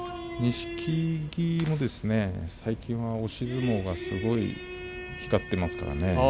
錦木も最近は押し相撲がすごい光っています